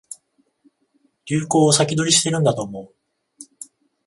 流行を先取りしてるんだと思う